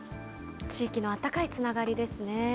地域のあったかいつながりですね。